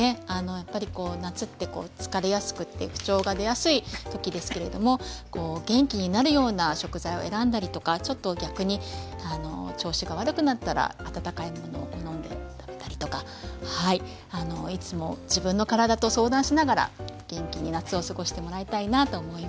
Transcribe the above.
やっぱりこう夏って疲れやすくって不調が出やすい時ですけれども元気になるような食材を選んだりとかちょっと逆に調子が悪くなったら温かい物を好んで食べたりとかいつも自分の体と相談しながら元気に夏を過ごしてもらいたいなと思います。